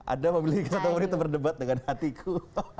ada mobil ini satu menit berdebat dengan hatiku